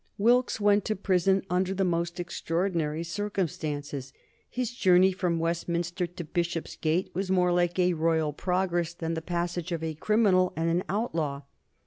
Wilkes went to prison under the most extraordinary circumstances. His journey from Westminster to Bishopsgate was more like a royal progress than the passage of a criminal and an outlaw.